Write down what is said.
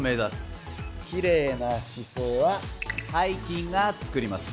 きれいな姿勢は背筋が作ります。